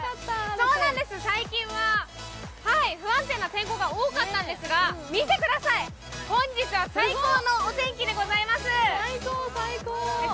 最近は、不安定な天候が多かったんですが、見てください、本日は最高のお天気でございます。